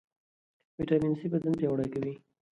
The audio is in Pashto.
ویټامین سي بدن پیاوړی کوي.